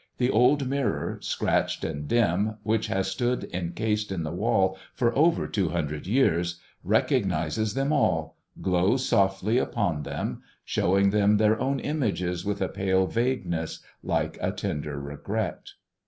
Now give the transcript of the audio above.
The old mirror, scratched and dim, which has stood encased in the wall for over two hundred years, recognizes them all, glows softly upon them, showing them their own images with a pale vagueness like a tender regret.